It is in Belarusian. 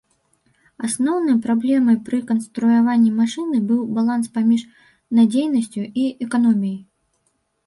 Асноўнай праблемай пры канструяванні машыны быў баланс паміж надзейнасцю і эканоміяй.